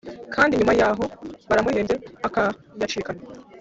Kndi nyuma yahoo baramuhembye akayacikana